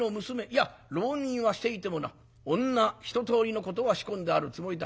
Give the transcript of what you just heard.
いや浪人はしていてもな女一通りのことは仕込んであるつもりだ。